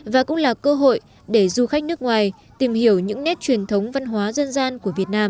và cũng là cơ hội để du khách nước ngoài tìm hiểu những nét truyền thống văn hóa dân gian của việt nam